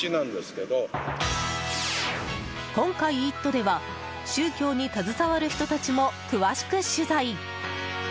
今回、「イット！」では宗教に携わる人たちも詳しく取材。